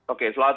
oke selamat pagi